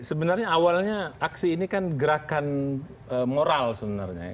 sebenarnya awalnya aksi ini kan gerakan moral sebenarnya